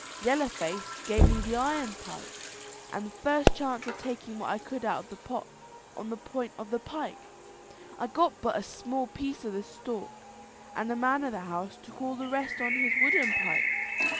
"Yellow Face gave me the iron pike, and the first chance of taking what I could out of the pot on the point of the pike. I got but a small piece of the stork, and the man of the house took all the rest on his wooden pike.